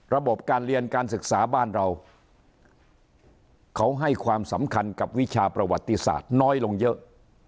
ระบบการเรียนการศึกษาบ้านเราเขาให้ความสำคัญกับวิชาประวัติศาสตร์น้อยลงเยอะ